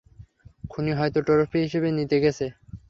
খুনী হয়তো ট্রফি হিসেবে নিয়ে গেছে।